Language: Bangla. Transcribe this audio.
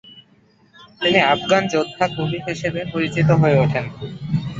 তিনি ‘আফগান যোদ্ধা-কবি’ হিসেবে পরিচিত হয়ে উঠেন।